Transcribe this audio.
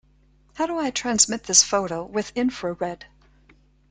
How do I transmit this photo with infrared?